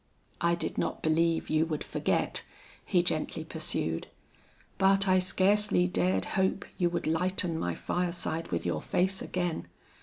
"I did not believe you would forget," he gently pursued, "but I scarcely dared hope you would lighten my fireside with your face again.